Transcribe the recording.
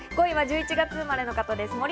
５位は１１月生まれの方です。